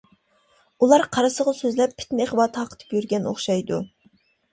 -ئۇلار قارىسىغا سۆزلەپ، پىتنە-ئىغۋا تارقىتىپ يۈرگەن ئوخشايدۇ.